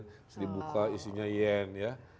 terus dibuka isinya yen ya